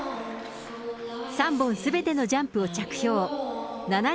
３本すべてのジャンプを着氷。